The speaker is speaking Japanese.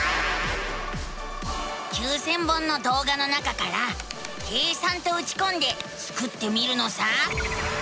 ９，０００本のどうがの中から「計算」とうちこんでスクってみるのさ。